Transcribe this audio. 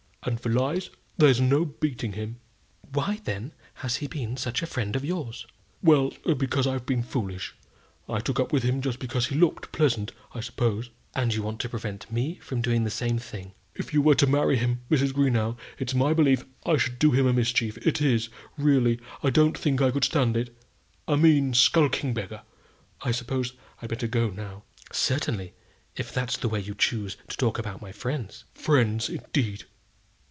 And for lies, there's no beating him!" "Why, then, has he been such a friend of yours?" "Well, because I've been foolish. I took up with him just because he looked pleasant, I suppose." "And you want to prevent me from doing the same thing." "If you were to marry him, Mrs. Greenow, it's my belief I should do him a mischief; it is, really. I don't think I could stand it; a mean, skulking beggar! I suppose I'd better go now?" "Certainly, if that's the way you choose to talk about my friends." "Friends, indeed!